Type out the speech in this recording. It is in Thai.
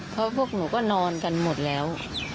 เพราะพวกหนูก็นอนกันหมดแล้ว